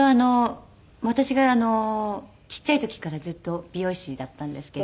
私がちっちゃい時からずっと美容師だったんですけど。